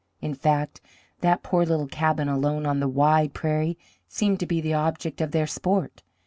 In fact, that poor little cabin alone on the wide prairie seemed to be the object of their sport.